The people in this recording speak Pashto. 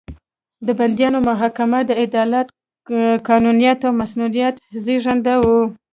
د بندیانو محاکمه د عدالت، قانونیت او مصونیت زېږنده وو.